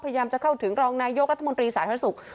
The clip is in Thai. พยายามเข้าถึงรองนายกรัฐมนตรีสานภัยสุกร์